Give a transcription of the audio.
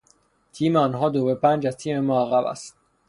تیم آنها دو به پنج از تیم ما عقب است.